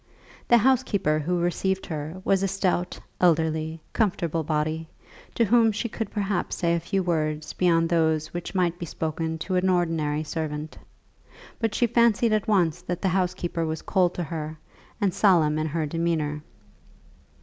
The housekeeper who received her was a stout, elderly, comfortable body, to whom she could perhaps say a few words beyond those which might be spoken to an ordinary servant; but she fancied at once that the housekeeper was cold to her, and solemn in her demeanour.